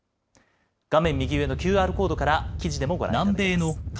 画面右上のＱＲコードから記事でもご覧いただけます。